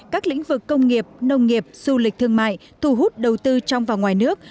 các lĩnh vực công nghiệp nông nghiệp du lịch thương mại thu hút đầu tư trong và ngoài nước